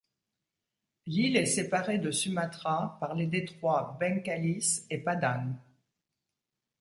L'île est séparée de Sumatra par les détroits Bengkalis et Padang.